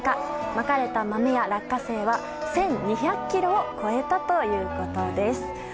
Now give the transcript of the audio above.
まかれた豆や落花生は１２００ｋｇを超えたということです。